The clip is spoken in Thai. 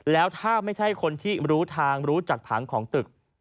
แล้วถ้าไม่ใช่คนที่รู้ทางรู้จักผังของตึก